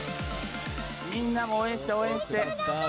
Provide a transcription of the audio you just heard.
みんなも応援して応援して！